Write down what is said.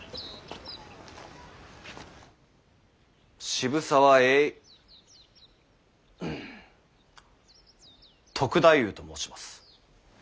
渋沢栄篤太夫と申します。